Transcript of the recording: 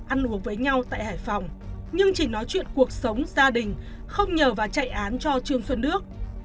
ăn uống với nhau tại hải phòng nhưng chỉ nói chuyện cuộc sống gia đình không nhờ và chạy án cho trương xuân đức